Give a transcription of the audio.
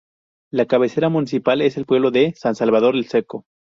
La cabecera municipal es el pueblo de San Salvador El Seco.